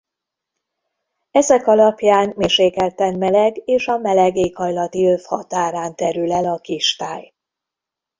Ezek alapján mérsékelten meleg és a meleg éghajlati öv határán terül el a kistáj.